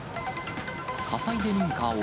火災で民家